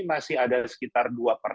masih ada sekitar dua